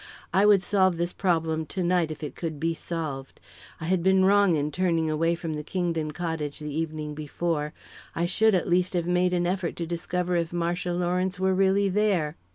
I would solve this problem to night, if it could be solved. I had been wrong in turning away from the Kingdon cottage the evening before; I should, at least, have made an effort to discover if Marcia Lawrence were really there.